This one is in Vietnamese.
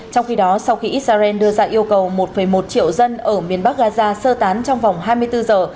trong khi đó sau khi israel đưa ra yêu cầu một một triệu dân ở miền bắc gaza sơ tán trong vòng hai mươi bốn giờ